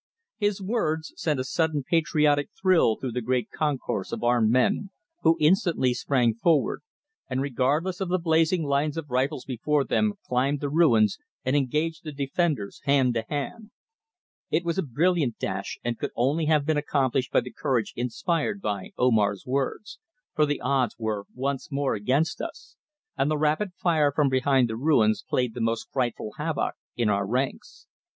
His words sent a sudden patriotic thrill through the great concourse of armed men, who instantly sprang forward, and regardless of the blazing lines of rifles before them climbed the ruins and engaged the defenders hand to hand. It was a brilliant dash and could only have been accomplished by the courage inspired by Omar's words, for the odds were once more against us, and the rapid fire from behind the ruins played the most frightful havoc in our ranks.